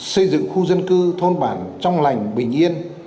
xây dựng khu dân cư thôn bản trong lành bình yên